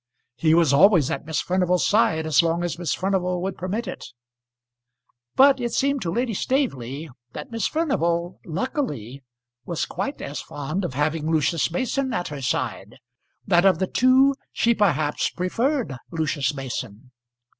He was always at Miss Furnival's side as long as Miss Furnival would permit it. But it seemed to Lady Staveley that Miss Furnival, luckily, was quite as fond of having Lucius Mason at her side; that of the two she perhaps preferred Lucius Mason.